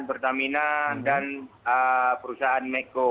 pertamina dan perusahaan mekko